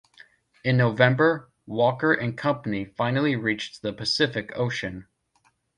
In November, Walker and company finally reached the Pacific Ocean.